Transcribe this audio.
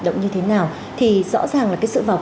động như thế nào thì rõ ràng là cái sự vào